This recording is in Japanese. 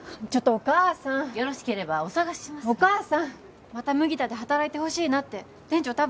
ちょっとお母さんよろしければお探ししますがお母さんっまた麦田で働いてほしいなって店長